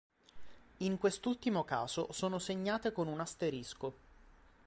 In quest'ultimo caso sono segnate con un asterisco.